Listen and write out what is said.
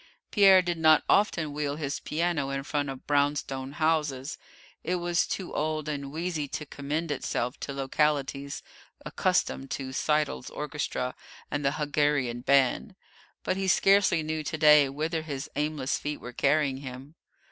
Pierre did not often wheel his piano in front of brown stone houses; it was too old and wheezy to commend itself to localities accustomed to Seidl's orchestra and the Hungarian band; but he scarcely knew to day whither his aimless feet were carrying him.